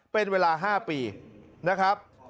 เป็นเวลา๕ปีนะครับ